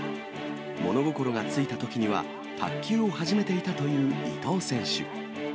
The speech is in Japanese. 物心がついたときには卓球を始めていたという伊藤選手。